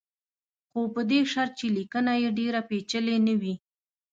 خو په دې شرط چې لیکنه یې ډېره پېچلې نه وي.